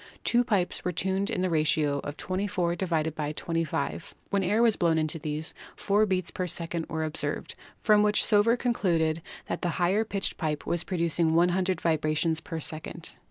Two pipes were tuned in the ratio of 24 ^25. When air was blown into these four beats per second were observed, from which Sauveur concluded that the higher pitched pipe was producing 100 vibrations per second.